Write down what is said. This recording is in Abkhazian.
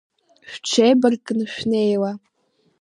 Шәҽибаркны шәнеила…